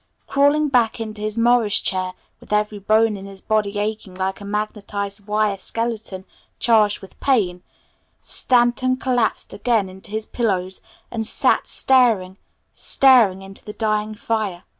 Crawling back into his Morris chair with every bone in his body aching like a magnetized wire skeleton charged with pain, Stanton collapsed again into his pillows and sat staring staring into the dying fire.